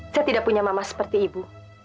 saya tidak punya mama seperti ibu